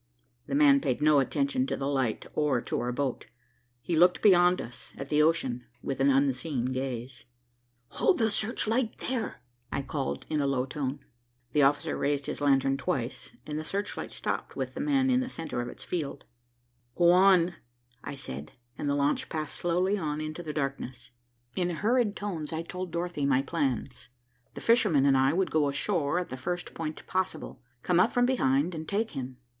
The man paid no attention to the light or to our boat. He looked beyond us, at the ocean, with an unseeing gaze. "Hold the search light there!" I called, in a low tone. The officer raised his lantern twice, and the search light stopped with the man in the centre of its field. [Illustration: THE OFFICER RAISED HIS LANTERN TWICE. [Page 30. ] "Go on," I said, and the launch passed slowly on into the darkness. In hurried tones, I told Dorothy my plans. The fisherman and I would go ashore at the first point possible, come up from behind, and take him.